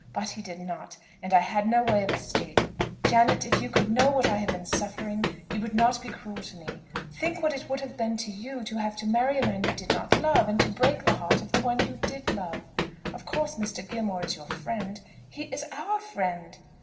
But he did not, and I had no way of escape. Janet, if you could know what I have been suffering, you would not be cruel to me. Think what it would have been to you to have to marry a man you did not love, and to break the heart of one you did love. Of course Mr. Gilmore is your friend." "He is our friend!"